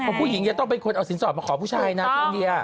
ผู้หญิงจะต้องเป็นคนเอาสินสอดมาขอผู้ชายนะอินเดีย